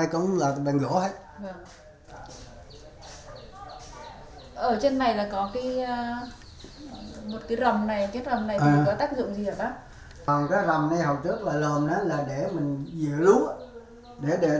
cái này là